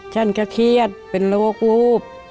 ฉันก็เครียดเป็นโรควูบ